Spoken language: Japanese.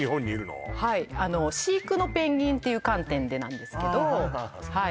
はい飼育のペンギンっていう観点でなんですけどはい